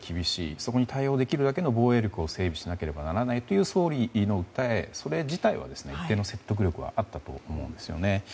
そこに対応できるだけの防衛力を整備しないといけないという総理の訴えそれ自体は一定の説得力があったと思うんですよね。